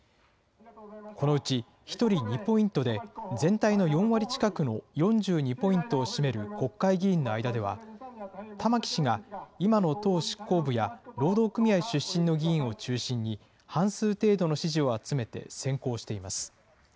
このうち１人２ポイントで、全体の４割近くの４２ポイントを占める国会議員の間では、玉木氏が今の党執行部や労働組合出身の中心に、半数程度の支持を集めて先行しています。